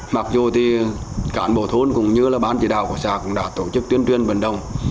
mặc dù cả bộ thôn cũng như bán chỉ đào của xã cũng đã tổ chức tuyên truyền vận đồng